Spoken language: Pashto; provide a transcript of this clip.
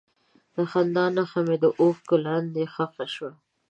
د خندا نښه مې د اوښکو لاندې ښخ شوه.